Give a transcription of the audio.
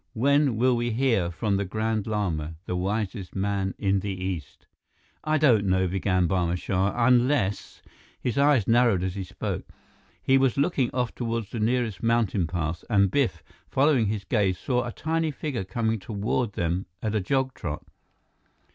"When will we hear from the Grand Lama, the wisest man in the East?" "I don't know," began Barma Shah, "unless " His eyes narrowed as he spoke. He was looking off toward the nearest mountain pass, and Biff, following his gaze, saw a tiny figure coming toward them at a jog trot.